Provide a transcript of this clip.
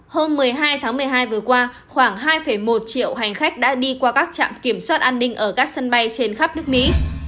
hôm một mươi hai tháng một mươi hai vừa qua khoảng hai một triệu hành khách đã đi qua các trạm kiểm soát an ninh ở các sân bay trên khắp nước mỹ